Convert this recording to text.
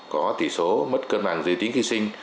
có tỷ số mất cân bằng giới tính khi sinh